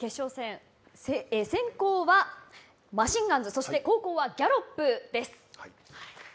先攻はマシンガンズそして後攻はギャロップです。